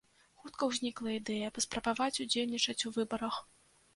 Хутка ўзнікла ідэя паспрабаваць удзельнічаць у выбарах.